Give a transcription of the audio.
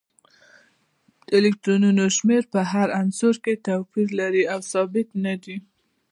د الکترونونو شمیر په هر عنصر کې توپیر لري او ثابت نه دی